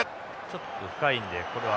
ちょっと深いんでこれは。